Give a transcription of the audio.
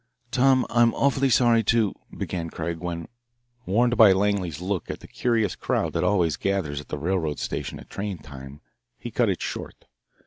"Tom; I'm awfully sorry to " began Craig when, warned by Langley's look at the curious crowd that always gathers at the railroad station at train time, he cut it short.